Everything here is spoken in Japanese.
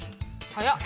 早っ！